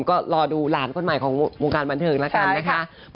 ก็รอดูหลานคนใหม่ของวงการบันเทิงแล้วกันนะคะ